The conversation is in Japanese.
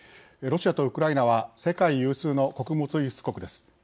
ロシアとウクライナは世界有数の穀物輸出国です。